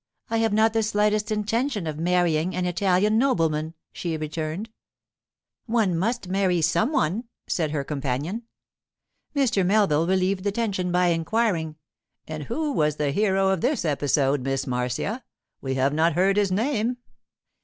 'I have not the slightest intention of marrying an Italian nobleman,' she returned. 'One must marry some one,' said her companion. Mr. Melville relieved the tension by inquiring, 'And who was the hero of this episode, Miss Marcia? We have not heard his name.